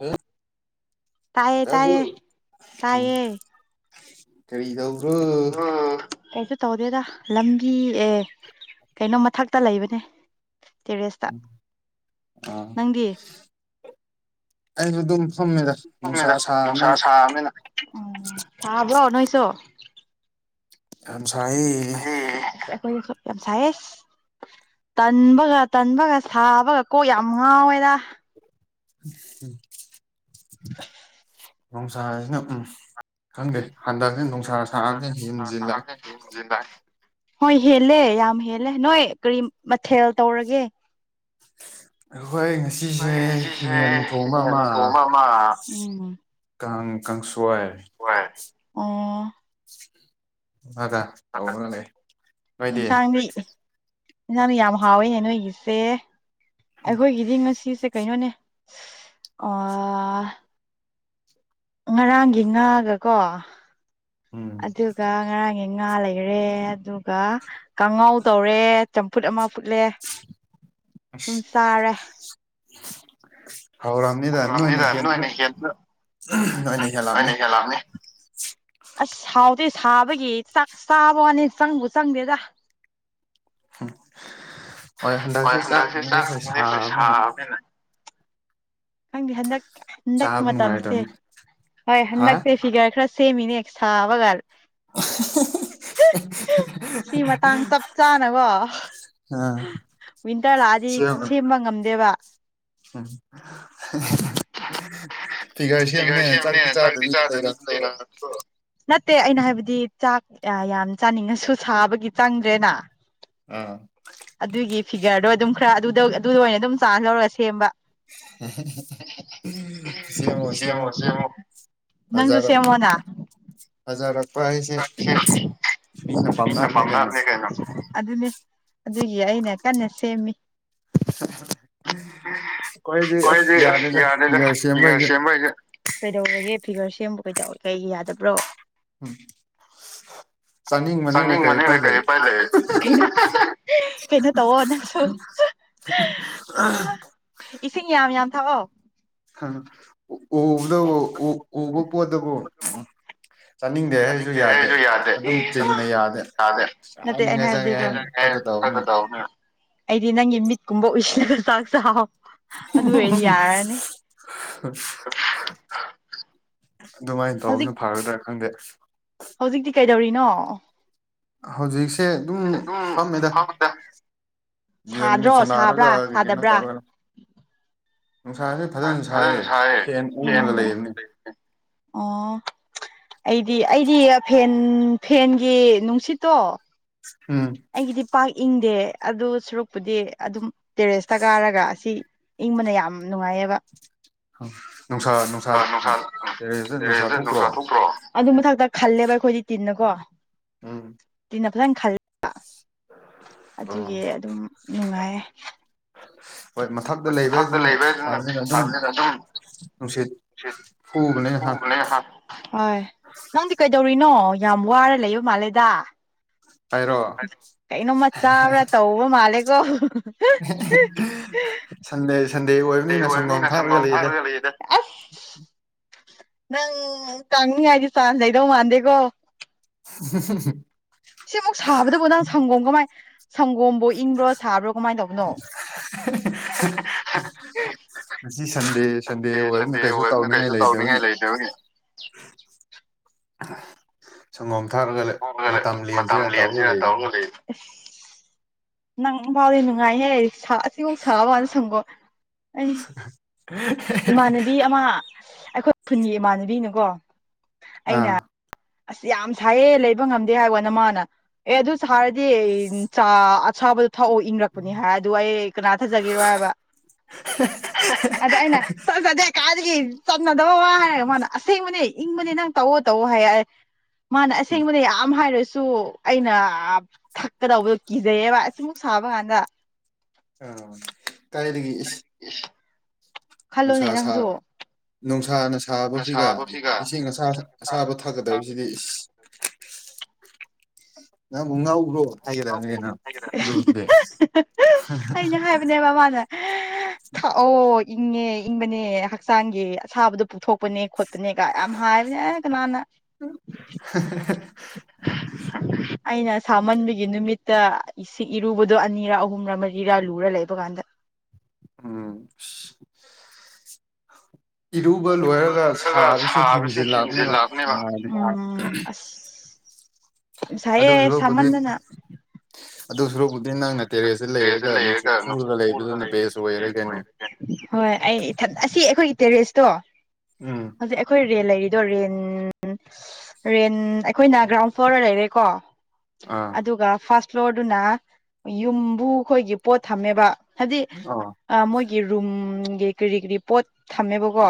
Hello ꯇꯥꯏꯌꯦ ꯇꯥꯏꯌꯦ ꯇꯥꯕꯔꯣ ꯎꯝ ꯇꯥꯏꯌꯦ ꯀꯔꯤ ꯇꯧꯕ꯭ꯔꯣ ꯀꯩꯁꯨ ꯇꯧꯗꯦꯗꯥ ꯂꯝꯕꯤ ꯑꯦ ꯀꯩꯅꯣ ꯃꯊꯛꯇ ꯂꯩꯕꯅꯦ ꯇꯦꯔꯦꯁꯇ ꯎꯝ ꯑꯥ ꯅꯪꯗꯤ ꯑꯩꯁꯨ ꯗꯨꯝ [unintelligible] ꯃꯦꯗꯥ ꯅꯨꯡꯁꯥ ꯐꯝꯃꯤꯗ ꯅꯨꯡꯁꯥ ꯁꯥꯕꯅꯤꯅ [unintelligible] ꯁꯥꯕꯅꯤꯅ ꯎꯝ ꯁꯥꯕ꯭ꯔꯣ ꯅꯣꯏꯁꯨ ꯌꯥꯝ ꯁꯥꯌꯦ ꯑꯁ ꯑꯩꯈꯣꯏꯗꯁꯨ ꯌꯥꯝ ꯁꯥꯌꯦ ꯇꯟꯕꯒ ꯇꯟꯕꯒ ꯁꯥꯕꯒ ꯀꯣꯛ ꯌꯥꯝ ꯉꯥꯎꯋꯦꯗꯥ [unintelligible] ꯅꯣꯡꯁꯥꯁꯤꯅ ꯎꯝ ꯈꯪꯗꯦ ꯍꯟꯗꯛꯁꯦ ꯅꯣꯡꯁꯥ ꯁꯥꯕꯁꯦ ꯍꯟꯗꯛꯁꯦ ꯅꯨꯡꯁꯥ ꯍꯦꯟꯖꯤꯟꯂꯛ ꯑꯦ ꯁꯥꯕꯁꯦ ꯍꯦꯟꯖꯤꯜꯂꯦ ꯍꯣꯏ ꯍꯦꯜꯂꯦ ꯌꯥꯝ ꯍꯦꯜꯂꯦ ꯅꯣꯏ ꯀꯔꯤ ꯃꯊꯦꯜ ꯇꯧꯔꯒꯦ ꯑꯈꯣꯏ ꯑꯩꯈꯣꯏ ꯉꯁꯤꯁꯦ ꯉꯁꯤꯁꯦ ꯌꯦꯟ ꯊꯣꯡꯕ ꯑꯃꯥ ꯌꯦꯟ ꯊꯣꯡꯕ ꯑꯃ ꯎꯝ ꯀꯥꯡ ꯀꯥꯡꯁꯣꯏ ꯍꯣꯏ ꯑꯣ ꯑꯗ ꯇꯧꯔꯒ ꯂꯩ ꯅꯣꯏꯗꯤ ꯏꯟꯖꯥꯡꯗꯣ ꯌꯥꯝ ꯍꯥꯎꯋꯦꯅꯦ ꯅꯣꯏꯒꯤꯁꯦ ꯑꯈꯣꯏꯒꯤꯗꯤ ꯉꯁꯤꯁꯦ ꯀꯩꯅꯣꯅꯦ ꯑꯥ ꯉꯔꯥꯡꯒꯤ ꯉꯥꯒꯀꯣ ꯎꯝ ꯑꯗꯨꯒ ꯉꯔꯥꯡꯒꯤ ꯉꯥ ꯂꯩꯔꯦ ꯑꯗꯨꯒꯥ ꯀꯥꯡꯉꯧ ꯇꯧꯔꯦ ꯆꯝꯐꯨꯠ ꯑꯃ ꯐꯨꯠꯂꯦ ꯗꯨꯝ ꯆꯥꯔꯦ ꯍꯥꯎꯔꯝꯅꯤꯗ ꯅꯣꯏꯅ ꯍꯦꯟꯅ ꯎꯝ ꯅꯣꯏꯅ ꯍꯦꯟꯂꯝꯅꯤ ꯑꯁ ꯍꯥꯎꯗꯦ ꯁꯥꯕꯒꯤ ꯆꯥꯛ ꯆꯥꯕ ꯋꯥꯅꯤ ꯆꯪꯕꯨ ꯆꯪꯗꯦꯗ ꯍꯣꯏ ꯍꯟꯗꯛꯁꯦ ꯆꯥꯛꯕꯨꯗꯤ ꯑꯩꯈꯣꯏ ꯆꯥꯛꯑꯝꯅꯤ ꯁꯥꯕꯅꯤꯅ ꯄꯩꯁꯥꯕꯅꯤꯅ ꯈꯪꯗꯦ ꯍꯟꯗꯛ ꯍꯟꯗꯛ ꯆꯥꯕ ꯃꯇꯝꯁꯦ ꯅꯨꯡꯉꯥꯏꯇꯕꯅꯤ ꯍꯣꯏ ꯍꯥ ꯍꯟꯗꯛꯁꯦ ꯐꯤꯒꯔ ꯈꯔ ꯁꯦꯃꯤꯅꯦ ꯁꯥꯕꯒꯜ ꯁꯤ ꯃꯇꯥꯡ ꯆꯞ ꯆꯥꯅꯀꯣ [unintelligible] [unintelligible] ꯑ ꯋꯤꯟꯇꯔ ꯂꯥꯛꯑꯗꯤ ꯁꯦꯝꯕ ꯉꯝꯗꯦꯕ ꯎꯝ [unintelligible] ꯐꯤꯒꯔ ꯁꯦꯝꯕꯅꯦꯅ ꯁꯦꯝꯕꯅꯤꯅ ꯆꯥꯛꯇꯤ ꯆꯥꯗꯕꯤꯗ ꯆꯥꯗꯕꯤ ꯂꯩꯔꯝꯅꯤꯀꯣ ꯂꯩ [unintelligible] ꯅꯠꯇꯦ ꯑꯩꯅ ꯍꯥꯏꯕꯗꯤ ꯆꯥꯛ ꯌꯥ ꯌꯥꯝ ꯆꯥꯅꯤꯡꯉꯁꯨ ꯁꯥꯕꯒꯤ ꯆꯪꯗ꯭ꯔꯦꯅꯥ ꯑꯥ ꯑꯗꯨꯒꯤ ꯐꯤꯒꯔꯗꯣ ꯑꯗꯨꯝ ꯈꯔ ꯑꯗꯨꯗ ꯑꯗꯨꯗ ꯑꯣꯏꯅ ꯑꯗꯨꯝ ꯆꯥꯟꯁ ꯂꯧꯔꯒ ꯁꯦꯝꯕ ꯁꯦꯝꯃꯣ ꯁꯦꯝꯃꯣ ꯅꯪꯖꯨ ꯐꯖꯔꯛ ꯁꯦꯝꯃꯣꯅꯥ [unintelligible] [unintelligible] ꯃꯤꯅ ꯄꯥꯝꯅꯍꯜꯂꯦ ꯀꯩꯅꯣ ꯑꯗꯨꯅꯦ ꯑꯗꯨꯒꯤ ꯑꯩꯅ ꯀꯟꯅ ꯁꯦꯝꯃꯤ [unintelligible] ꯑꯈꯣꯏꯗꯤ ꯑꯁ ꯌꯥꯗꯦꯗ ꯐꯤꯒꯔ ꯁꯦꯝꯕꯩꯒꯤ ꯀꯩꯗꯧꯔꯒꯦ ꯐꯤꯒꯔ ꯁꯦꯝꯕ ꯀꯩꯗꯧ ꯀꯩꯒꯤ ꯌꯥꯗꯕ꯭ꯔꯣ ꯎꯝ [inaudible] ꯆꯥꯅꯤꯡꯕꯅꯤꯅ ꯀꯩ ꯎꯄꯥꯏ ꯂꯩ ꯀꯩꯅꯣ ꯇꯧꯋꯣ ꯅꯪꯁꯨ [unintelligible] [unintelligible] ꯏꯁꯤꯡ ꯌꯥꯝ ꯌꯥꯝ ꯊꯛꯑꯣ ꯍ ꯍ ꯑꯨ ꯑꯨꯕꯗꯣ ꯑꯨ ꯑꯨꯕ ꯄꯣꯠꯇꯕꯣ ꯎꯝ ꯆꯥꯅꯤꯡꯗꯦ ꯍꯥꯏꯔꯁꯨ ꯌꯥꯗꯦ ꯑꯗꯨꯝ ꯆꯤꯟꯅ ꯌꯥꯗꯦ ꯅꯠꯇꯦ ꯑꯩꯅ ꯆꯥꯅꯤꯡꯉꯥꯏ ꯆꯪꯉꯦ ꯍꯥꯏꯅ ꯈꯛꯇ ꯇꯧ [unintelligible] ꯑꯩꯗꯤ ꯅꯪꯒꯤ ꯃꯤꯠ ꯀꯨꯝꯕ ꯎꯨꯏꯁꯤꯜꯂ ꯆꯥꯛ ꯆꯥꯎ ꯑꯗꯨ ꯑꯣꯏꯔꯗꯤ ꯌꯥꯔꯅꯤ [unintelligible] ꯑꯗꯨꯃꯥꯏꯟ ꯍꯧꯖꯤꯛ ꯇꯧꯕꯁꯨ ꯐꯒꯗ꯭ꯔꯥ ꯈꯪꯗꯦ ꯍꯧꯖꯤꯛꯇꯤ ꯀꯩꯗꯧꯔꯤꯅꯣ ꯍꯧꯖꯤꯛꯁꯦ ꯑꯗꯨꯝ ꯐꯝꯃꯦꯗ ꯐꯝꯃꯤꯗ ꯒꯦꯝ ꯁꯥꯗ꯭ꯔꯣ ꯁꯥꯟꯅꯔꯥꯒꯥ ꯁꯥꯕ꯭ꯔꯥ ꯀꯩꯀꯩꯅꯣ ꯁꯥꯗꯕ꯭ꯔꯥ ꯇꯧꯔꯒꯔ [unintelligible] ꯑꯣ ꯐꯦꯟ ꯎꯪꯂꯒ ꯂꯩꯕꯅꯤ ꯑꯩꯗꯤ ꯑꯩꯗꯤ ꯐꯦꯟ ꯐꯦꯟꯒꯤ ꯅꯨꯡꯁꯤꯠꯇꯣ ꯎꯝ ꯌꯦ ꯑꯗꯨ ꯁꯨꯔꯨꯛꯄꯨꯗꯤ ꯑꯗꯨꯝ ꯇꯦꯔꯦꯁꯇ ꯀꯥꯔꯒ ꯑꯁꯤ ꯏꯪꯕꯅ ꯌꯥꯝ ꯅꯨꯡꯉꯥꯏꯌꯦꯕ ꯅꯨꯡꯁꯥ ꯅꯨꯡꯁꯥ [inaudible] ꯎꯝ ꯇꯦꯔꯦꯁꯇ ꯅꯨꯡꯁꯥ ꯊꯣꯛꯇ꯭ꯔꯣ ꯑꯗꯣ ꯃꯊꯛ ꯇ ꯈꯜꯂꯦꯕ ꯑꯈꯣꯏꯗꯤ ꯇꯤꯟꯅ ꯀꯣ ꯎꯝ ꯅ ꯐꯖꯟ ꯈꯜꯂꯒ ꯑꯣ ꯑꯗꯨꯒꯤ ꯑꯗꯨꯝ ꯅꯨꯡꯉꯥꯏꯌꯦ [inaudible] [unintelligible] ꯍꯣꯏ ꯃꯊꯛꯇ ꯂꯩꯕꯗꯨꯅ ꯁꯥꯕꯅꯤꯅ ꯑꯗꯨꯝ ꯅꯨꯡꯁꯤꯠ ꯐꯨꯕꯅꯦ ꯍꯥ ꯍꯣꯏ ꯅꯪꯗꯤ ꯀꯩꯗꯧꯔꯤꯅꯣ ꯌꯥꯝ ꯋꯥꯔ ꯂꯩꯕ ꯃꯥꯂꯦꯗ ꯍꯥꯏꯔꯣ ꯀꯩꯅꯣꯝꯃ ꯆꯥꯕ꯭ꯔꯥ ꯇꯧꯕ ꯃꯥꯜꯂꯦꯀꯣ ꯁꯟꯗꯦ ꯁꯟꯗꯦ ꯑꯣꯏꯕꯅꯤꯅ ꯁꯪꯒꯣꯝ ꯈꯥꯛꯂꯒ ꯂꯩꯌꯦꯗ [unintelligible] ꯅꯪ ꯀꯥꯡꯅꯤꯡꯉꯥꯏꯗꯤ ꯆꯥꯟꯁ ꯂꯩꯗꯧ ꯃꯥꯟꯗꯦꯀꯣ [unintelligible] ꯁꯤꯃꯨꯛ ꯁꯥꯕꯗꯨꯕꯨ ꯅꯪ ꯁꯪꯒꯣꯝ ꯀꯃꯥꯏ ꯁꯪꯒꯣꯝ ꯍꯣ ꯏꯪꯕ꯭ꯔꯣ ꯁꯥꯕ꯭ꯔꯣ ꯀꯃꯥꯏ ꯇꯧꯕꯅꯣ ꯉꯁꯤ ꯁꯟꯗꯦ ꯁꯟꯗꯦ ꯑꯣꯏꯕꯅ ꯀꯩꯁꯨ ꯇꯧꯅꯤꯉꯥꯏ ꯂꯩꯇꯕꯒꯤ ꯁꯪꯒꯣꯝ ꯊꯥꯛꯔꯒ ꯂꯩ [inaudible] ꯃꯇꯝ ꯇꯧꯔꯒ ꯂꯦꯟꯁꯤꯔ ꯂꯩꯕꯅꯤ ꯇꯧꯂꯩ ꯏ꯭ꯁ ꯅꯪ ꯕꯥꯎꯗꯤ ꯅꯨꯡꯉꯥꯏꯍꯦ ꯁꯥ ꯑꯁꯤꯃꯨꯛ ꯁꯥꯕꯀꯥꯟ ꯁꯪꯒꯣꯝ ꯎꯝ ꯏꯃꯥꯟꯅꯕꯤ ꯑꯃ ꯑꯩꯈꯣꯏ ꯈꯨꯟꯒꯤ ꯏꯃꯥꯟꯅꯕꯤꯅꯀꯣ ꯑꯥ ꯑ꯭ꯁ ꯌꯥꯝ ꯁꯥꯏꯌꯦ ꯂꯩꯕ ꯉꯝꯗꯦ ꯍꯥꯏꯋꯥꯅ ꯃꯥꯅ ꯑꯦ ꯑꯗꯨ ꯁꯥꯔꯗꯤ ꯏꯟ ꯆꯥ ꯑꯁꯥꯕ ꯊꯛꯑꯣ ꯏꯪꯂꯛꯄꯅꯤ ꯍꯥꯏꯔ ꯑꯗꯨ ꯑꯩ ꯀꯅꯥ ꯊꯥꯖꯒꯦꯔꯣ ꯍꯥꯏꯕ [unintelligible] ꯇꯑꯣꯋꯥ ꯍꯥꯏꯔꯒ ꯃꯥꯅ ꯑꯁꯦꯡꯕꯅꯦ ꯏꯪꯕꯅꯦ ꯅꯪ ꯇꯧꯑꯣ ꯇꯧꯑꯣ ꯍꯥꯏꯑꯦ ꯑ ꯃꯥꯅ ꯎꯝ ꯑꯁꯦꯡꯕꯅꯦ ꯌꯥꯝ ꯍꯥꯏꯔꯁ ꯇꯣ ꯑꯩꯅ ꯑ ꯊꯛꯀꯗꯧꯕꯗꯣ ꯀꯤꯖꯩꯌꯦꯕ ꯑꯁꯤꯃꯨꯛ ꯁꯥꯕ ꯀꯥꯟꯗ [unintelligible] ꯀꯥꯏꯗꯒꯤ ꯏ꯭ꯁ ꯈꯜꯂꯣꯅꯦ ꯅꯪꯖꯨ ꯁꯥꯅ ꯁꯥꯕꯁꯤꯒ ꯏ ꯏꯁꯤꯡ ꯑꯁꯥ ꯊꯛ ꯑꯁꯥꯕ ꯊꯛꯀꯗꯕꯁꯤꯗꯤ ꯏ꯭ꯁ ꯅꯪꯕꯨ ꯉꯥꯎꯕ꯭ꯔꯣ [inaudible] ꯑꯩꯁꯨ ꯍꯥꯏꯕꯅꯦꯕ ꯃꯥꯅ ꯊꯛꯑꯣ ꯏꯪꯉꯦ ꯏꯪꯕꯅꯦ ꯍꯛꯆꯥꯡꯒꯤ ꯑꯁꯥꯕꯗꯣ ꯄꯨꯊꯣꯛꯄꯅꯦ ꯈꯨꯠ ꯄꯅꯦꯀꯥ ꯌꯥꯝ ꯍꯥꯏꯕꯅꯦ ꯑꯦ ꯀꯅꯥꯅ ꯑꯩꯅ ꯁꯥꯃꯟꯕꯒ ꯒꯤ ꯅꯨꯃꯤꯠꯇ ꯏꯁꯤꯡ ꯏꯔꯨꯕꯗꯨ ꯑꯅꯤꯔꯥ ꯑꯍꯨꯝꯔꯥ ꯃꯔꯤꯔꯥ ꯂꯨꯔ ꯂꯩꯕ ꯀꯥꯟꯗ ꯎꯝ ꯏ꯭ꯁ ꯏꯔꯨꯕ ꯂꯣꯏꯔꯒ ꯁꯥꯕꯁꯦ ꯍꯦꯟꯖꯤꯜꯂꯛꯕꯅꯦꯕ ꯅꯨꯉꯥꯏꯗꯦ ꯌꯥꯝ ꯑꯗꯨ ꯁꯥꯏꯌꯦ ꯁꯨꯔꯨꯛꯄꯨꯗꯤ ꯁꯥꯃꯟꯗꯅ ꯑꯗꯨꯁꯨꯔꯨꯛ [inaudible] ꯂꯩꯕꯗꯨꯅ ꯕꯦꯁ ꯑꯣꯏꯔꯦ ꯀꯩꯅꯣ ꯍꯣꯏ ꯑꯩ ꯏꯊꯟ ꯑꯁꯤ ꯑꯩꯈꯣꯏꯒꯤ ꯇꯦꯔꯦꯁꯇꯣ ꯎꯝ ꯍꯧꯖꯤꯛ ꯑꯩꯈꯣꯏ ꯔꯦꯟ ꯂꯩꯔꯤꯗꯣ ꯔꯦꯟ ꯔꯦꯟ ꯑꯩꯈꯣꯏꯅ ꯒ꯭ꯔꯥꯎꯟ ꯐ꯭ꯂꯣꯔꯗ ꯂꯩꯔꯦꯀꯣ ꯑꯥ ꯑꯗꯨꯒ ꯐꯥꯔꯁ ꯐ꯭ꯂꯣꯔꯗꯨꯅ ꯌꯨꯝꯕꯨ ꯈꯣꯏꯒꯤ ꯄꯣꯠ ꯊꯝꯃꯦꯕ ꯍꯥꯏꯗꯤ ꯑꯥ ꯑ ꯃꯣꯏꯒꯤ ꯔꯨꯝꯒꯤ ꯀꯔꯤ ꯀꯔꯤ ꯄꯣꯠ ꯊꯝꯃꯦꯕꯀꯣ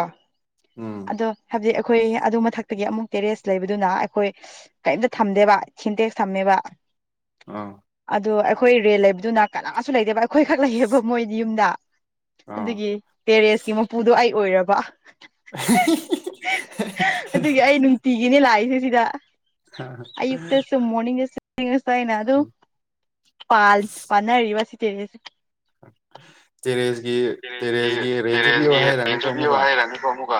ꯎꯝ ꯑꯗꯣ ꯍꯥꯏꯕꯗꯤ ꯑꯩ|| ꯑꯩꯈꯣꯏ ꯑꯗꯨ ꯃꯊꯛꯇꯒꯤ ꯑꯃꯨꯛ ꯇꯦꯔꯦꯁ ꯂꯩꯕꯗꯨꯅ ꯑꯩꯈꯣꯏ ꯀꯩꯝꯇ ꯊꯝꯗꯦꯕ ꯁꯤꯟꯇꯦꯛꯁ ꯊꯝꯃꯦꯕ ꯑꯥ ꯑꯗꯣ ꯑꯩꯈꯣꯏ ꯔꯦꯜ ꯂꯩꯕꯗꯨꯅ ꯀꯅꯥꯁꯨ ꯂꯩꯇꯦꯕ ꯑꯩꯈꯣꯏ ꯈꯛ ꯂꯩꯌꯦꯕ ꯃꯣꯏꯗꯤ ꯌꯨꯝꯗ ꯑꯥ ꯑꯗꯨꯒꯤ ꯇꯦꯔꯦꯁꯀꯤ ꯃꯄꯨꯗꯣ ꯑꯩ ꯑꯣꯏꯔꯕ [unintelligible] ꯑꯗꯨꯒꯤ ꯑꯩ ꯅꯨꯡꯇꯤꯒꯤꯅꯦ ꯂꯥꯛꯏꯁꯦ ꯁꯤꯗ ꯑꯌꯨꯛꯇꯁꯨ ꯃꯣꯔꯅꯤꯡꯗꯁꯨ ꯑꯁꯥꯏꯅ ꯑꯗꯨꯝ ꯄꯥꯜ ꯄꯥꯜꯅꯔꯤꯕ ꯁꯤꯗꯤ [inaudible] ꯇꯦꯔꯦꯁꯀꯤ ꯇꯦꯂꯦꯟꯒꯤ ꯇꯦꯔꯦꯁꯀꯤ ꯔꯦꯟꯁꯨ ꯄꯤꯌꯣ ꯇꯦꯔꯦꯟꯒꯤ ꯍꯥꯏꯔꯅꯤꯀꯣ ꯏꯟꯇꯔꯚꯤꯌꯨ ꯑꯃꯨꯛꯀ ꯍꯥꯏꯔ ꯅꯨꯀꯣ ꯑꯃꯨꯛꯀ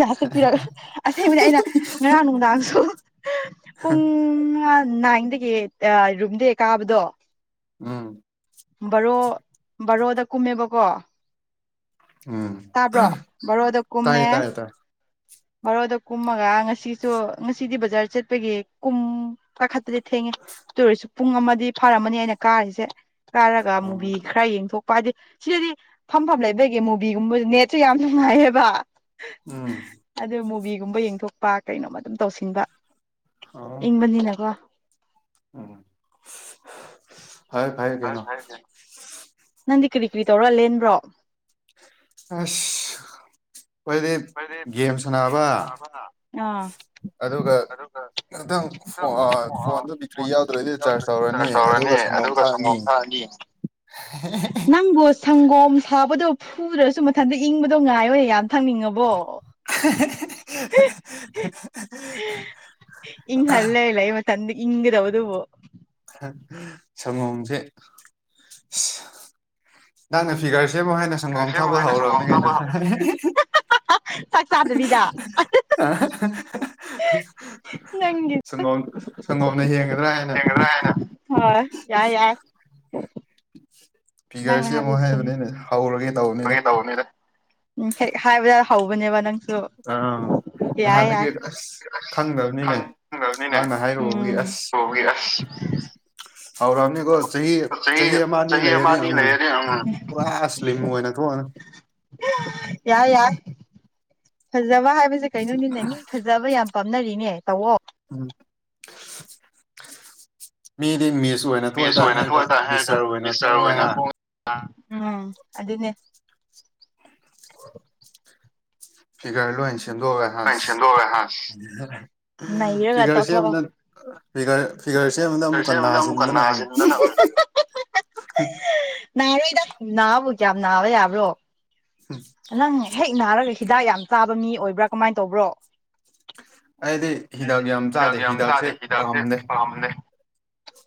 ꯂꯥꯁ ꯄꯤꯔꯒ ꯑꯁꯦꯡꯕꯗꯤ ꯑꯩꯅ ꯉꯔꯥꯡ ꯅꯨꯡꯗꯥꯡꯁꯨ ꯄꯨꯡ ꯅꯥꯏꯟ ꯍꯥꯟꯗꯥꯛꯀꯤ ꯑ ꯔꯨꯝꯗꯒꯤ ꯔꯨꯝꯗꯒꯤ ꯀꯥꯕꯗꯣ ꯎꯝ ꯕꯔꯣ ꯕꯔꯣꯗ ꯀꯨꯝꯃꯦꯕꯀꯣ ꯎꯝ ꯇꯥꯕ꯭ꯔꯣ ꯕꯔꯣꯗ ꯀꯨꯝꯃꯦ ꯇꯥꯏꯌꯦ ꯇꯥꯏꯌꯦ ꯇꯥꯏ ꯕꯔꯣꯗ ꯀꯨꯝꯃꯒ ꯉꯁꯤꯁꯨ ꯉꯁꯤꯗꯤ ꯕꯖꯥꯔ ꯆꯠꯄꯒꯤ ꯀꯨꯝ ꯀꯥꯈꯠꯄꯗꯤ ꯊꯦꯡꯉꯦ ꯉꯦ ꯑꯗꯨ ꯑꯣꯏꯔꯁꯨ ꯄꯨꯡ ꯑꯃꯗꯤ ꯐꯥꯔꯝꯃꯅꯤ ꯑꯩꯅ ꯀꯥꯔꯤꯁꯦ ꯀꯥꯔꯒ ꯑꯣ ꯃꯨꯚꯤ ꯈꯔ ꯌꯦꯡꯊꯣꯛꯄ ꯍꯥꯏꯗꯤ ꯁꯤꯗꯗꯤ ꯐꯝꯐꯝ ꯂꯩꯕꯒꯤ ꯃꯨꯚ ꯃꯨꯚꯤꯒꯨꯝꯕ ꯅꯦꯠꯁꯨ ꯌꯥꯝ ꯅꯨꯡꯉꯥꯏꯌꯦꯕ ꯎꯝ ꯑꯗꯨ ꯃꯨꯚꯤꯒꯨꯝꯕ ꯌꯦꯡꯊꯣꯛꯄ ꯀꯩꯅꯣꯝꯃ ꯑꯗꯨꯝ ꯇꯧꯁꯤꯟꯕ ꯑꯣ ꯏꯪꯕꯅꯤꯅꯀꯣ ꯎꯝ ꯐꯔꯦ ꯐꯔꯦ ꯀꯩꯅꯣ ꯅꯪꯗꯤ ꯀꯔꯤ ꯀꯔꯤ ꯇꯧꯔ ꯂꯦꯟꯕ꯭ꯔꯣ ꯑꯁ ꯑꯩꯈꯣꯏꯗꯤ ꯒꯦꯝ ꯁꯥꯟꯅꯕ ꯑꯥ ꯑꯗꯨꯒ ꯉꯛꯇꯪ ꯅꯪ ꯐꯣꯟꯗꯣ ꯕꯦꯇ꯭ꯔꯤ ꯌꯥꯎꯗ꯭ꯔꯗꯤ ꯆꯥꯔꯖ ꯇꯧꯔꯅꯤ ꯑꯗꯨꯒ ꯑꯗꯨꯒ ꯁꯪꯒꯣꯝ ꯊꯛꯑꯅꯤ ꯅꯪꯕꯨ ꯁꯪꯒꯣꯝ ꯁꯥꯕꯗꯨ ꯁꯨꯗ꯭ꯔꯁꯨ ꯃꯊꯟꯇ ꯏꯪꯕ ꯉꯥꯏꯌ ꯌꯥꯝ ꯊꯛꯅꯤꯡꯉꯕꯣ [unintelligible] ꯇꯟ ꯏꯪꯒꯗꯧꯕꯗꯨꯕꯨ ꯁꯒꯣꯝꯁꯦ ꯅꯪꯅ ꯐꯤꯒꯔ [unintelligible] ꯁꯦꯃꯣ ꯍꯥꯏꯅ ꯁꯪꯒꯣꯝ ꯁꯦꯝꯃꯣ ꯊꯛꯄ ꯍꯥꯏꯅ ꯍꯧꯔꯕꯅꯤ ꯁꯪꯒꯣꯝ ꯀꯩꯅꯣ ꯊꯛꯄ ꯍꯧꯔꯣ꯫ ꯆꯥꯛ ꯆꯥꯗꯕꯤꯗ ꯑꯥ [unintelligible] ꯅꯪꯒꯤ ꯁꯪꯒꯣꯝ ꯁꯪꯒꯣꯝꯅ ꯍꯦꯟꯒꯗ꯭ꯔꯥ ꯍꯥꯏꯅ ꯁꯦꯡꯒꯗ꯭ꯔꯥ ꯍꯥꯏꯅ꯫ ꯍꯣꯏ ꯌꯥꯏ ꯌꯥꯏ ꯅꯪꯅ ꯐꯤꯒꯔꯁꯤ ꯑꯃꯨꯛ ꯍꯥꯏꯕꯗꯨ ꯆꯨꯝꯃꯤ ꯍꯩꯕꯅꯤꯅꯦ ꯍꯧꯔꯒꯦ ꯇꯧꯕꯅꯤꯗ ꯎꯝ ꯍꯦꯛ ꯍꯥꯏꯕꯗ ꯍꯧꯕꯅꯦꯕ ꯅꯪ ꯑꯥ ꯅꯍꯥꯟꯗꯒꯤ ꯑꯁ ꯈꯪꯗꯕꯅꯤꯅꯦ ꯈꯪꯗꯕꯅꯤꯅꯦ ꯅꯪꯅ ꯍꯥꯏꯔꯨꯕꯒꯤ ꯎꯝ ꯑꯁ ꯇꯨꯒꯤ ꯑꯁ ꯍꯥꯎ ꯔꯝꯅꯤꯒꯣ ꯆꯍꯤ ꯆꯍꯤ ꯑꯃ ꯑꯅꯤ ꯆꯍꯤ ꯑꯃ ꯂꯩꯔꯗꯤ ꯑꯅꯤ ꯎꯝ ꯂꯩꯔꯗꯤ ꯄꯨꯔꯥ ꯁ꯭ꯂꯤꯝ ꯑꯣꯏꯅ ꯊꯣꯛꯑꯅꯤ ꯌꯥꯢ ꯌꯥꯢ ꯐꯖꯕ ꯍꯥꯏꯕꯁꯦ ꯀꯩꯅꯣꯅꯤꯅꯦ ꯃꯤ ꯐꯖꯕ ꯌꯥꯝ ꯄꯥꯝꯅꯔꯤꯅꯦ ꯇꯧꯑꯣ ꯃꯤꯗꯤ ꯃꯤꯁ ꯑꯣꯏꯅ ꯃꯤꯁ ꯊꯣꯛꯑꯦꯗꯥ ꯑꯣꯏꯅ ꯍꯥꯏꯔꯒ ꯊꯣꯛꯑꯇꯥ ꯃꯤꯁꯇꯔ ꯑꯣꯏꯅ ꯃꯤꯁꯇꯔ ꯊꯣꯛꯑꯦ ꯑꯣꯏꯅ ꯍꯥ [unintelligible] ꯊꯣꯛ ꯎꯝ ꯑꯗꯨꯅꯦ ꯐꯤꯒꯔ ꯂꯣꯏꯅꯁꯤ ꯁꯦꯝꯗꯣꯛꯑꯒꯦ ꯍꯥ ꯅꯪ ꯁꯦꯝꯗꯣꯛꯑꯒ ꯍꯥꯁ ꯅꯩꯔꯒ ꯐꯤꯒꯔ ꯇꯧꯊꯣꯛꯑꯣ ꯁꯦꯝꯕꯗ ꯐꯤꯒꯔ ꯐꯤꯒꯔ ꯁꯦꯝ ꯑꯃꯗ ꯑꯃꯨꯛꯀ ꯁꯦꯝꯕꯗ ꯑꯃꯨꯛꯀ ꯅꯥꯁꯤꯟꯗꯅ ꯎꯝ ꯅꯥꯁꯤꯟꯗꯅ ꯅꯥꯔꯣꯏꯗ ꯅꯥꯕꯨ ꯀꯌꯥꯝ ꯅꯥꯕ ꯌꯥꯕ꯭ꯔꯣ ꯅꯪ ꯍꯦꯛ ꯅꯥꯔꯒ ꯍꯤꯗꯥꯛ ꯌꯥꯝ ꯆꯥꯕ ꯃꯤ ꯑꯣꯏꯕ꯭ꯔꯥ ꯀꯃꯥꯏꯅ ꯇꯧꯕ꯭ꯔꯣ ꯑꯩꯗꯤ ꯍꯤꯗꯥꯛ ꯌꯥꯝ ꯍꯤꯗꯥꯛ ꯆꯥꯗꯦ ꯌꯥꯝ ꯍꯤꯗꯥꯛꯁꯦ ꯆꯥꯗꯦ ꯍꯤꯗꯥꯛꯁꯦ ꯄꯥꯝꯗꯦ ꯄꯥꯝꯗꯦ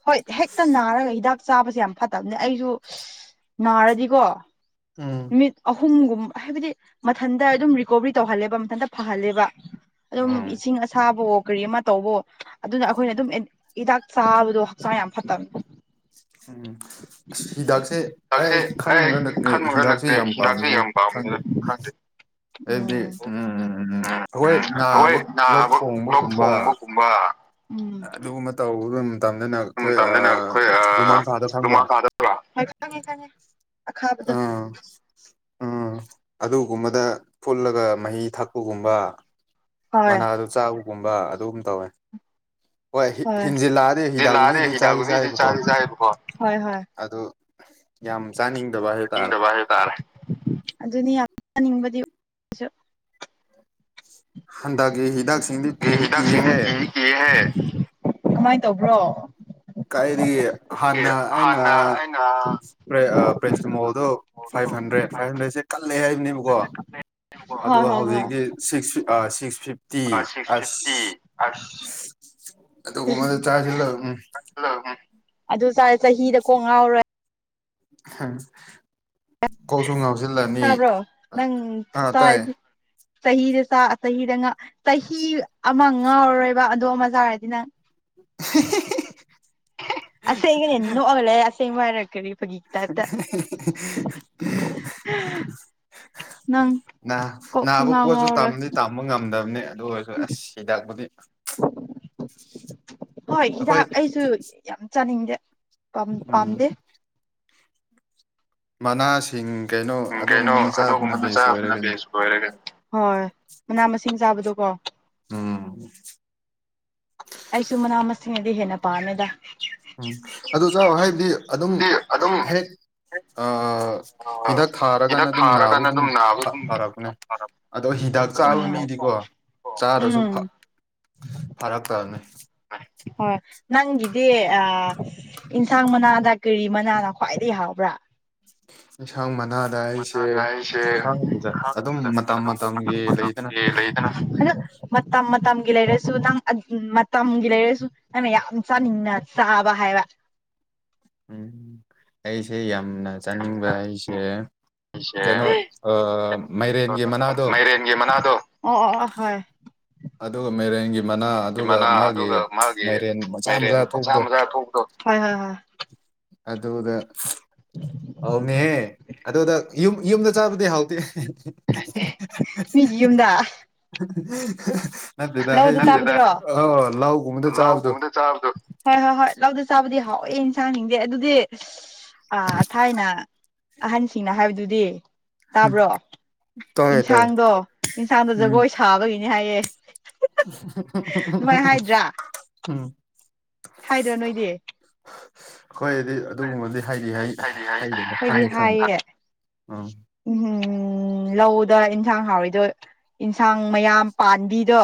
ꯍꯣꯏ ꯍꯦꯛꯇ ꯅꯥꯔꯒ ꯍꯤꯗꯥꯛ ꯆꯥꯕꯁꯦ ꯌꯥꯝ ꯐꯠꯇꯝꯅꯦ ꯑꯩꯁꯨ ꯅꯥꯔꯗꯤꯀꯣ ꯎꯝ ꯅꯨꯃꯤꯠ ꯑꯍꯨꯝꯒꯨꯝ ꯍꯥꯏꯕꯗꯤ ꯃꯊꯟꯇ ꯑꯗꯨꯝ ꯔꯤꯀꯣꯕꯔꯤ ꯇꯧꯍꯜꯂꯦꯕ ꯃꯊꯟꯇ ꯐꯍꯜꯂꯦꯕ ꯑꯗꯨꯝ ꯎꯝ ꯏꯁꯤꯡ ꯑꯁ ꯆꯥꯕꯑꯣ ꯀꯔꯤ ꯑꯃ ꯇꯧꯕꯑꯣ ꯑꯗꯨꯅ ꯑꯩꯈꯣꯏꯅ ꯑꯗꯨꯝ ꯑꯟ ꯍꯤꯗꯥꯛ ꯆꯥꯕꯗꯣ ꯍꯛꯆꯥꯡ ꯌꯥꯝ ꯐꯠꯇꯝꯅꯦ ꯎꯝ ꯑꯁ ꯍꯤꯗꯥꯛꯁꯦ ꯍꯤꯗꯥꯛꯁꯦ ꯑꯩ ꯈꯟꯕꯒ ꯅꯠꯇꯦ ꯈꯟꯕꯒ ꯍꯤꯗꯥꯛꯁꯦ ꯅꯠꯇꯦ ꯌꯥꯝ ꯍꯤꯗꯥꯛꯁꯦ ꯄꯥꯝꯗꯦꯗ ꯌꯥꯝ ꯈꯪꯗꯦ ꯄꯥꯝꯃꯦꯅ ꯈꯪꯗꯦ ꯑꯩꯗꯤ ꯎꯝ ꯎꯝ ꯏꯝ ꯎꯝ ꯑꯩꯈꯣꯏ ꯅꯕ ꯑꯩꯈꯣꯏ ꯂꯣꯛ ꯅꯥꯕ ꯊꯣꯡ ꯂꯣꯛ ꯊꯣꯡꯕꯒꯨꯝꯕ ꯑꯗꯨꯒꯨꯝꯕ ꯇꯧꯒꯔꯨꯝ ꯂꯨꯃꯥꯡꯈꯥꯗꯣ ꯈꯪꯕ꯭ꯔꯣ [unintelligible] ꯑꯈꯥꯕꯗꯨ ꯑꯥ ꯑꯗꯨꯒꯨꯝꯕꯗ ꯐꯨꯜꯂꯒ ꯃꯍꯤ ꯊꯛꯄꯒꯨꯝꯕ ꯍꯣꯏ ꯃꯅꯥꯗꯣ ꯆꯥꯕꯒꯨꯝꯕ ꯑꯗꯨꯝ ꯇꯧꯋꯦ ꯍꯣꯏ ꯍꯤ ꯍꯤꯟꯖꯤꯜꯂꯛꯑꯗꯤ ꯖꯤꯜꯂꯥꯗꯤ ꯍꯤꯗꯥꯛꯒꯨꯂꯤꯗꯤ ꯍꯤꯗꯥꯛ ꯆꯥꯗꯤ ꯒꯨꯂꯤꯗꯤ ꯆꯥꯏꯕꯀꯣ ꯆꯥꯗꯤ ꯆꯥꯏꯌꯦꯕꯀꯣ ꯍꯣꯏ ꯍꯣꯏ ꯑꯗꯨ ꯌꯥꯝ ꯆꯥꯅꯤꯡꯗꯕ ꯍꯥꯏꯗꯣ ꯇꯥꯔꯦ ꯆꯥꯅꯤꯡꯗꯕ ꯍꯥꯏꯕ ꯇꯥꯔꯦ [unintelligible] ꯍꯟꯗꯛꯀꯤ ꯍꯤꯗꯥꯛꯁꯤꯡꯗꯤ ꯀꯤꯗꯤ ꯀꯤꯍꯦ [unintelligible] ꯀꯥꯏꯗꯒꯤ ꯑꯦ ꯍꯥꯟꯅ ꯑꯩꯅ ꯍꯥꯟꯅ ꯑꯩꯅ ꯄ꯭ꯔꯦ ꯄ꯭ꯔꯦꯁꯇꯤꯃꯣꯜꯗꯣ ꯐꯥꯏꯚ ꯍꯟꯗ꯭ꯔꯦꯠ ꯐꯥꯏꯚ ꯍꯟꯗ꯭ꯔꯦꯠꯁꯦ ꯀꯜꯂꯦꯍꯦ ꯍꯥꯏꯕꯅꯦꯕꯀꯣ ꯑꯗꯣ ꯍꯣꯏ ꯍꯣꯏ ꯍꯧꯖꯤꯛꯀꯤ ꯍꯣꯏ six ah six fifty six ꯑꯁ ꯐꯤꯐꯇꯤ ꯑꯁ [unintelligible] ꯑꯗꯨ ꯆꯥꯔ ꯆꯍꯤꯗ ꯀꯣꯛ ꯉꯥꯎꯔꯣꯏ [unintelligible] ꯀꯣꯛꯁꯨ ꯉꯥꯎꯁꯤꯜꯂꯅꯤ ꯇꯥꯕ꯭ꯔꯣ ꯑꯩ ꯅꯪ ꯑꯥ ꯇꯥꯏꯌꯦ ꯆꯥꯔꯗꯤ ꯆꯍꯤꯗ ꯆꯥ ꯑ ꯆꯍꯤꯗꯥ ꯉ ꯆꯍꯤ ꯑꯃ ꯉꯥꯎꯔꯔꯣꯏꯕ ꯑꯗꯣ ꯑꯃ ꯆꯥꯔꯗꯤ ꯅꯪ [unintelligible] ꯑꯁꯦꯡꯒꯤꯅꯦ ꯅꯣꯛꯑꯒꯥ ꯂꯩꯑꯦ ꯑꯁꯦꯡꯕ ꯍꯥꯏꯔ ꯀꯔꯤ ꯐꯥꯒꯤ ꯇꯥꯏꯞꯇ [unintelligible] ꯅꯪ ꯅꯥ ꯀꯣꯛ ꯅꯥꯕ ꯁꯨꯡꯉꯥꯎ ꯄꯣꯠꯁꯨ ꯉꯥꯎꯔꯣꯏ ꯇꯝꯅꯤ ꯇꯝꯕ ꯉꯝꯗꯝꯅꯦ ꯗꯨ ꯑꯣꯏꯁꯨ ꯑꯁ ꯍꯤꯗꯥꯛꯕꯨꯗꯤ ꯍꯣꯏ ꯑꯩꯈꯣꯏ ꯍꯤꯗꯥꯛ ꯑꯩꯁꯨ ꯌꯥꯝ ꯆꯥꯅꯤꯡꯗꯦ ꯄꯝ ꯎꯝ ꯄꯥꯝꯗꯦ ꯃꯅꯥꯁꯤꯡ ꯀꯩꯅꯣ ꯎꯝ ꯀꯩꯅꯣ ꯑꯗꯨꯒꯨꯝꯕꯅ ꯆꯥꯕꯅ ꯑꯗꯨꯒꯨꯝꯕꯅꯥ ꯕꯦꯁ ꯑꯣꯏꯔꯦ ꯆꯕꯅꯥ ꯀꯩꯅꯣ ꯕꯦꯁꯠ ꯑꯣꯏꯔꯦ ꯍꯣꯏ ꯃꯅꯥ ꯃꯁꯤꯡ ꯆꯕꯗꯣ ꯎꯝ ꯁꯤꯡꯅꯗꯤ ꯍꯦꯟꯅ ꯄꯥꯝꯃꯦꯗ ꯎꯝ ꯑꯗꯨ ꯆꯥꯎ ꯍꯥꯏꯗꯤ ꯑꯗꯨꯝ ꯑꯗꯨꯝ ꯍꯦꯛ ꯑꯥ ꯍꯤꯗꯥꯛ ꯊꯥꯔꯒꯅ ꯍꯤꯗꯥꯛ ꯑꯗꯨꯝ ꯅꯥꯕ ꯊꯥꯔꯒꯅ ꯑꯗꯨꯝ ꯅꯥꯕ ꯑꯗꯨꯝ ꯐꯔꯛꯄꯅꯦ ꯑꯗꯣ ꯍꯤꯗꯥꯛ ꯆꯥꯕ ꯃꯤꯗꯤ ꯗꯤꯀꯣ ꯎꯝ ꯆꯥꯔꯁꯨ ꯎꯝ ꯐ ꯐꯔꯛꯇꯃꯦ ꯍꯣꯏ ꯅꯪꯒꯤꯗꯤ ꯑꯥ ꯏꯟꯁꯥꯡ ꯃꯅꯥꯗ ꯀꯔꯤ ꯃꯅꯥꯅ ꯈ꯭ꯋꯥꯏꯗꯩ ꯍꯥꯎꯕ꯭ꯔꯥ ꯏꯟꯁꯡꯃꯅꯥ ꯃꯅꯥꯗ ꯑꯩꯁꯦ ꯑꯗꯨꯝ ꯈꯪꯗꯦ ꯃꯇꯝ ꯑꯗꯨꯝ ꯃꯇꯝ ꯃꯇꯝꯒꯤ ꯂꯩꯗꯅ ꯃꯇꯝꯒꯤ ꯂꯩꯗꯅ ꯃꯇꯝ ꯃꯠ ꯃꯇꯝꯒꯤ ꯂꯩꯔꯁꯨ ꯅꯪ ꯑꯟ ꯃꯇꯝꯒꯤ ꯂꯩꯔꯁꯨ ꯅꯪꯅ ꯌꯥꯝ ꯆꯥꯅꯤꯡꯅ ꯆꯥꯕ ꯍꯥꯏꯕ ꯎꯝ ꯑꯩꯁꯦ ꯌꯥꯝꯅ ꯆꯥꯅꯤꯡꯕ ꯌꯥꯝꯅ ꯑꯩꯁꯦ ꯁꯤꯁꯦ ꯀꯩꯅꯣ ꯑꯥ ꯃꯥꯏꯔꯦꯟꯒꯤ ꯃꯅꯥꯗꯣ ꯃꯥꯏꯔꯦꯟꯒꯤ ꯃꯅꯥꯗꯣ ꯑꯣ ꯑꯣ ꯑꯣ ꯍꯣꯏ ꯑꯗꯣ ꯒꯥ ꯃꯩꯔꯦꯟꯒꯤ ꯃꯅꯥ ꯑꯗꯨꯒ ꯃꯅꯥ ꯃꯥꯒꯤ ꯑꯗꯨꯒ ꯃꯥꯒꯤ ꯃꯥꯏꯔꯦꯟ ꯃꯆꯥ ꯃꯥꯏꯔꯦꯟ ꯃꯆꯥ ꯊꯣꯛꯄꯥꯗꯣ ꯃꯆꯥ ꯊꯣꯛꯄꯗꯣ ꯍꯣꯏ ꯍꯣꯏ ꯍꯣꯏ ꯑꯗꯨꯗ ꯍꯥꯎꯕꯅꯦꯍꯦ ꯑꯗꯨꯗ ꯌꯨꯝ ꯌꯨꯝꯗ ꯆꯥꯕꯗꯤ ꯍꯥꯎꯇꯦ ꯃꯤꯒꯤ [unintelligible] ꯂꯧꯗꯥ ꯍꯥꯏꯗꯤ ꯆꯥꯕꯗꯨꯔꯣ ꯑ ꯂꯧꯒꯨꯝꯕꯗ ꯂꯧ ꯆꯥꯕꯗꯣ ꯒꯨꯝꯕꯗ ꯆꯤꯕꯗꯣ ꯍꯣꯏ ꯍꯣꯏ ꯍꯣꯏ ꯂꯧꯗ ꯆꯥꯕꯗꯤ ꯍꯥꯎ ꯍꯣꯏ ꯌꯦꯟꯁꯥꯡ ꯁꯤꯡꯗꯤ ꯑꯗꯨꯗꯤ ꯊꯥꯏꯅ ꯑꯍꯟꯁꯤꯡꯅ ꯍꯥꯏꯕꯗꯨꯗꯤ ꯇꯥꯕ꯭ꯔꯣ ꯇꯧꯋꯦ ꯇꯧꯋꯦ ꯏꯟꯁꯥꯡꯗꯣ ꯏꯟꯁꯥꯡꯗꯣ ꯎꯝ ꯖꯒꯣꯏ ꯁꯥꯕꯒꯤꯅꯦ ꯍꯥꯏꯌꯦ ꯑꯗꯨꯃꯥꯏꯅ ꯍꯥꯏꯗ꯭ꯔꯥ ꯎꯝ ꯍꯥꯏꯗ꯭ꯔꯥ ꯅꯣꯏꯗꯤ ꯑꯩꯈꯣꯏꯗꯤ ꯑꯗꯨꯒꯨꯝꯕꯗꯤ ꯍꯥꯏꯗꯤ ꯍꯥꯏꯗꯤ ꯍꯥꯢ ꯍꯥꯏꯗꯦꯗ ꯈꯪꯉꯦ ꯑꯩꯈꯣꯢꯗꯤ ꯈꯪꯉꯦ ꯍꯥꯏꯑꯦ ꯎꯝ [unintelligible] ꯎꯝ ꯍꯝ ꯂꯧꯗ ꯏꯟꯁꯥꯡ ꯍꯥꯎꯔꯤꯗꯣ ꯏꯟꯁꯥꯡ ꯃꯌꯥꯝ ꯄꯥꯟꯕꯤꯗꯣ